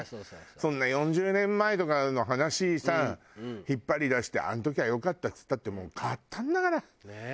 そんな４０年前とかの話さ引っ張り出して「あの時は良かった」っつったってもう変わったんだから。